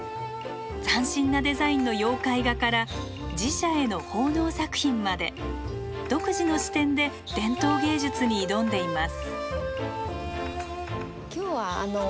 斬新なデザインの妖怪画から寺社への奉納作品まで独自の視点で伝統芸術に挑んでいます。